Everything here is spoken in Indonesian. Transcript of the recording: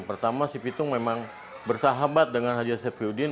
pertama si pitung memang bersahabat dengan haji safiuddin